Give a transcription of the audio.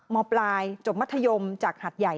มปลายจบมัธยมจากหัดใหญ่